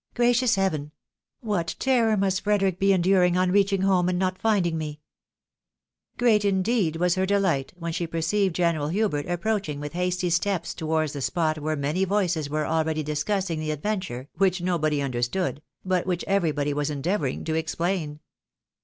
Gracious heaven ! What terror must Frederic be enduring on reaching home and not finding me !" Great, indeed, was her delight, when she perceived General Hubert approaching with hasty steps towards the spot where many voices were already discussing the adventure which nobody understood, but which everybody was endeavouring to explain.